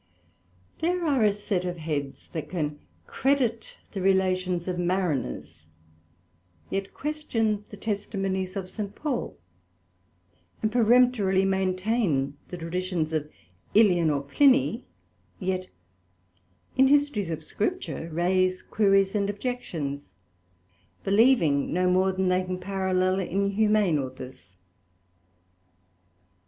There are a set of Heads, that can credit the relations of Mariners, yet question the Testimonies of St. Paul; and peremptorily maintain the traditions of Ælian or Pliny, yet in Histories of Scripture raise Queries and Objections, believing no more than they can parallel in humane Authors.